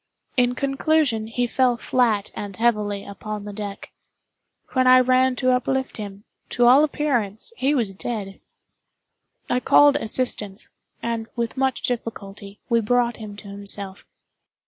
In conclusion, he fell flat and heavily upon the deck. When I ran to uplift him, to all appearance he was dead. I called assistance, and, with much difficulty, we brought him to himself.